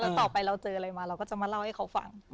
แล้วต่อไปเราเจออะไรมาเราก็จะมาเล่าให้เขาฟัง